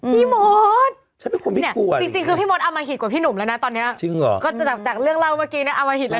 พี่มดจริงคือพี่มดเอามาหิดกว่าพี่หนุ่มแล้วนะตอนนี้จากเรื่องเล่าเมื่อกี้นะเอามาหิดแล้วนะ